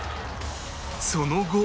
その後